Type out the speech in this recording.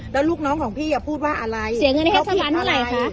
แล้วลูกน้องของพี่อ่ะพูดว่าอะไรเขาผิดอะไร